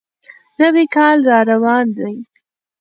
نوی کال را روان دی.